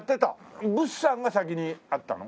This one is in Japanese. ブスさんが先にあったの？